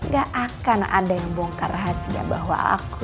gak akan ada yang bongkar rahasia bahwa aku